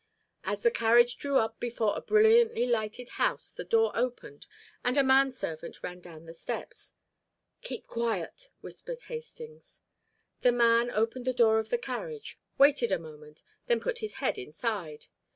As the carriage drew up before a brilliantly lighted house the door opened, and a man servant ran down the steps. "Keep quiet," whispered Hastings. The man opened the door of the carriage, waited a moment, then put his head inside.